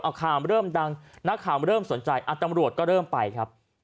เอาข่าวเริ่มดังนักข่าวเริ่มสนใจตำรวจก็เริ่มไปครับ